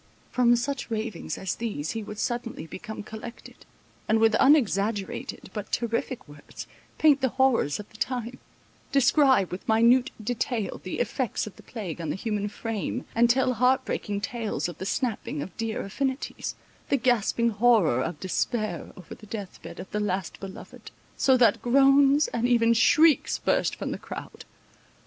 From such ravings as these, he would suddenly become collected, and with unexaggerated but terrific words, paint the horrors of the time; describe with minute detail, the effects of the plague on the human frame, and tell heart breaking tales of the snapping of dear affinities—the gasping horror of despair over the death bed of the last beloved—so that groans and even shrieks burst from the crowd.